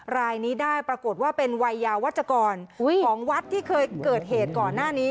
รายนี้ได้ปรากฏว่าเป็นวัยยาวัชกรของวัดที่เคยเกิดเหตุก่อนหน้านี้